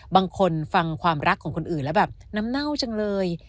บางคนฟังความรักของคนอื่นแล้วแบบน้ำเน่าจังเลย